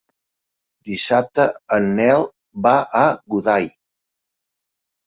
Dissabte en Nel va a Godall.